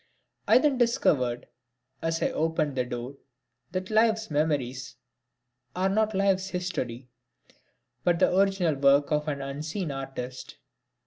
I then discovered, as I opened the door, that Life's memories are not Life's history, but the original work of an unseen Artist.